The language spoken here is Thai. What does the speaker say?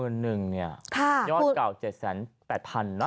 ๑๑๐๐๐เนี่ยยอดเก่า๗๘๐๐๐๐นะ